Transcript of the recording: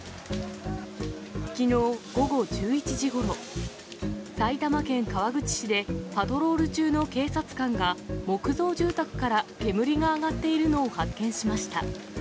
きのう午後１１時ごろ、埼玉県川口市でパトロール中の警察官が、木造住宅から煙が上がっているのを発見しました。